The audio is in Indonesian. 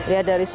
ya dari suatu